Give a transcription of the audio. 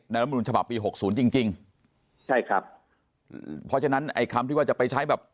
รัฐมนุนฉบับปีหกศูนย์จริงจริงใช่ครับเพราะฉะนั้นไอ้คำที่ว่าจะไปใช้แบบ